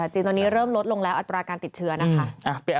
จีนตอนนี้เริ่มลดลงแล้วอัตราการติดเชื้อนะคะ